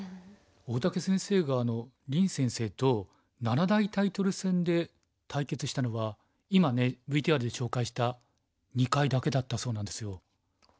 大竹先生が林先生と七大タイトル戦で対決したのは今ねＶＴＲで紹介した２回だけだったそうなんですよ。